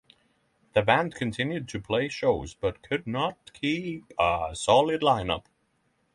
The band continued to play shows but could not keep a solid line up.